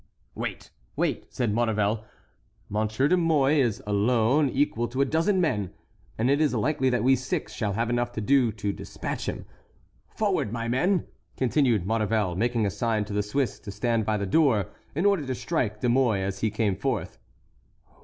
"Wait, wait!" said Maurevel; "Monsieur de Mouy alone is equal to a dozen men, and it is likely that we six shall have enough to do to despatch him. Forward, my men!" continued Maurevel, making a sign to the Swiss to stand by the door, in order to strike De Mouy as he came forth.